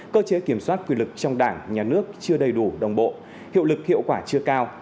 cơ chế kiểm soát quyền lực trong đảng nhà nước chưa đầy đủ đồng bộ hiệu lực hiệu quả chưa cao